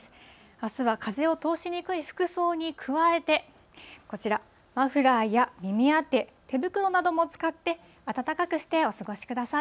あすは風を通しにくい服装に加えて、こちら、マフラーや耳当て、手袋なども使って、暖かくしてお過ごしください。